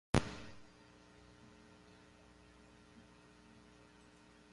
Fui de Armamar a Lamego a pé! Acreditas?